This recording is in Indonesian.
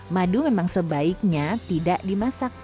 madu memang sebaiknya tidak dimasak